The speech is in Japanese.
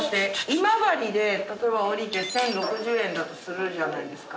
今治で例えば降りて１，０６０円だとするじゃないですか。